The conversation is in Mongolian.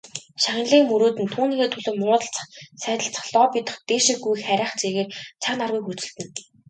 Шагналыг мөрөөднө, түүнийхээ төлөө муудалцах, сайдалцах, лоббидох, дээшээ гүйх харайх зэргээр цаг наргүй хөөцөлдөнө.